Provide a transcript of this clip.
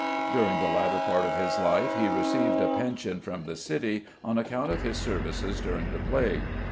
During the latter part of his life he received a pension from the City on account of his services during the plague.